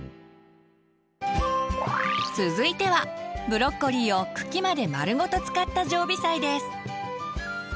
続いてはブロッコリーを茎まで丸ごと使った常備菜です。